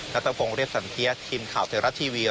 นัตรฟงศ์เรียบสังเทียดทีมข่าวเทวรัฐทีวี